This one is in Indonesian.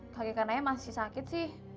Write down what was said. kaki kanannya masih sakit sih